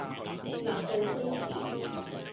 辣到飛起